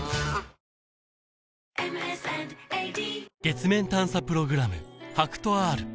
月面探査プログラム